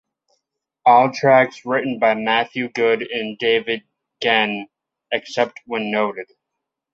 All tracks written by Matthew Good and Dave Genn, except where noted.